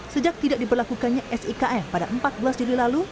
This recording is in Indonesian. sejak tidak diberlakukannya sikm pada empat belas juli lalu